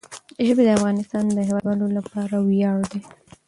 ژبې د افغانستان د هیوادوالو لپاره ویاړ دی.